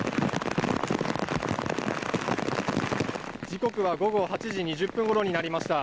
時刻は午後８時２０分ごろになりました。